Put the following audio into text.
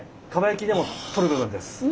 蒲焼きでも取る部分です。